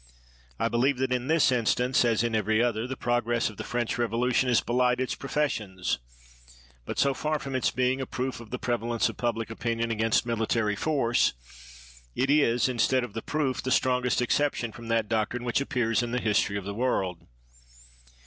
I believe that in this instance, as in every other, the progress of the French Revolution has belied its professions; but, so far from its being a proof of the prevalence of public opinion against military force, it is, instead of the proof, the sti'ongest exception from that doctrine which appears in the history of the world.